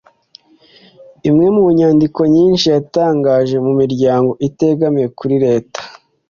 Imwe mu nyandiko nyinshi yatangaje mu miryango itegamiye kuri Leta